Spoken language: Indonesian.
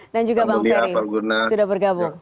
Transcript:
dan juga bang ferry sudah bergabung